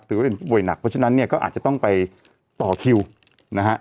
ป่วยเป็นป่วยหนักเพราะฉะนั้นเนี่ยก็อาจจะต้องไปต่อคิวนะฮะ